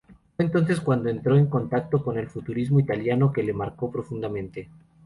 Fue entonces cuando entró en contacto con el futurismo italiano, que le marcó profundamente.